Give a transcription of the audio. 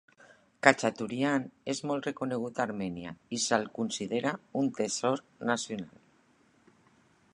Khachaturian és molt reconegut a Armènia i se'l considera un tresor nacional.